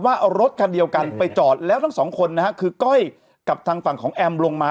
ว่ารถคันเดียวกันไปจอดแล้วทั้งสองคนนะฮะคือก้อยกับทางฝั่งของแอมลงมา